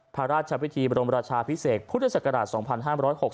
พระราชพิธีบรมราชาพิเศษพุทธศักราช๒๕๖๒